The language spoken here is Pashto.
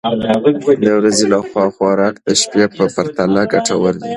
د ورځې لخوا خوراک د شپې په پرتله ګټور دی.